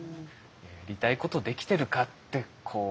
やりたいことできてるかってこう。